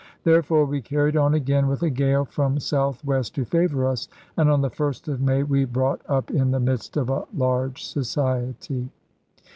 Therefore we carried on again with a gale from south west to favour us, and on the first of May we brought up in the midst of a large society.